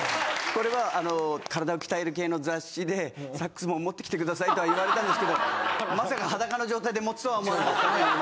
これはあの体を鍛える系の雑誌でサックスも持ってきてくださいとは言われたんですけどまさか裸の状態で持つとは思わなかったという。